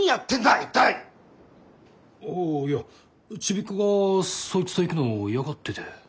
あいやちびっこがそいつと行くの嫌がってて。